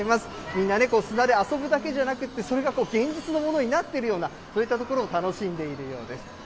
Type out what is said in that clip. みんなね、砂で遊ぶだけじゃなくて、それがこう、現実のものになっているような、そういったところを楽しんでいるようです。